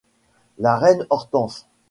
La reine Hortense.